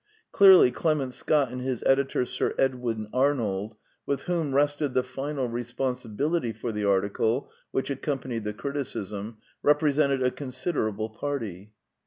Clearly Clement Scott and his editor Sir Edwin Arnold, with whom rested the final responsibility for the article which accom panied the criticism, represented a considerable party.